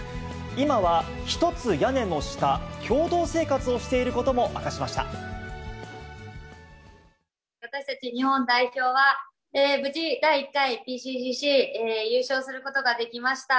今は一つ屋根の下、共同生活をしていることも明かしました。